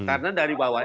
karena dari bawah